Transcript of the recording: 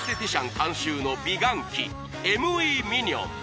監修の美顔器ＭＥミニョン